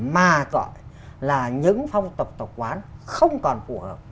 mà gọi là những phong tục tập quán không còn phù hợp